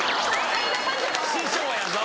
・師匠やぞ・